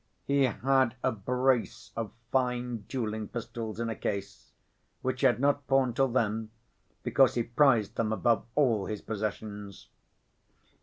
He had a brace of fine dueling pistols in a case, which he had not pawned till then because he prized them above all his possessions.